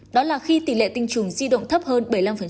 đó là khi tỷ lệ tinh trùng di động thấp hơn bảy mươi năm